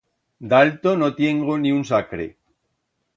D'alto no tiengo ni un sacre.